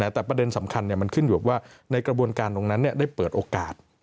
แต่ประเด็นสำคัญมันขึ้นอยู่กับว่าในกระบวนการตรงนั้นได้เปิดโอกาส